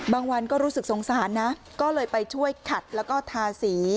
บางวันก็รู้สึกสงสารนะก็เลยไปช่วยขัดแล้วก็ทาสี